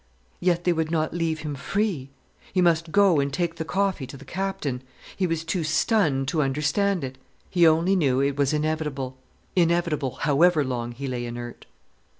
Yet they would not leave him free. He must go and take the coffee to the Captain. He was too stunned to understand it. He only knew it was inevitable—inevitable however long he lay inert.